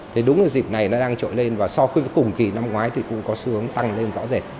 thế đúng là dịp này nó đang trội lên và so với cùng kỳ năm ngoái thì cũng có sướng tăng lên rõ rệt